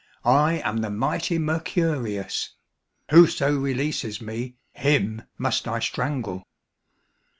I am the mighty Mercurius. Whoso releases me, him must I strangle."